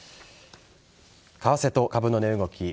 為替と株の値動き。